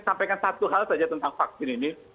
sampaikan satu hal saja tentang vaksin ini